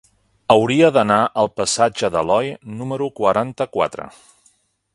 Hauria d'anar al passatge d'Aloi número quaranta-quatre.